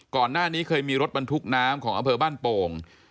ก่อนหน้านี้เคยมีรถบรรทุกน้ำของอำเภอบ้านโป่ง